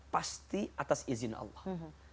pasti atas izin allah